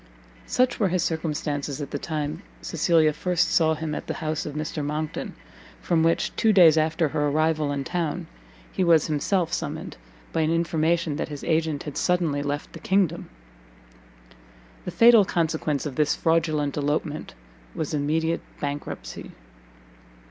Such were his circumstances at the time Cecilia first saw him at the house of Mr. Monckton: from which, two days after her arrival in town, he was himself summoned, by an information that his agent had suddenly left the kingdom. The fatal consequence of this fraudulent elopement was immediate bankruptcy.